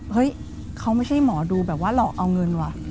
เฮ้ยเขาไม่ใช่หมอดูแบบว่าหลอกเอาเงินว่ะ